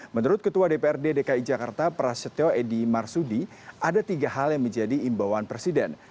menurut ketua dprd dki jakarta prasetyo edy marsudi ada tiga hal yang menjadi imbauan presiden